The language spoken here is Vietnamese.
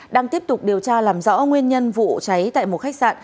đang tiếp tục điều tra làm rõ nguyên nhân vụ cháy tại một khách sạn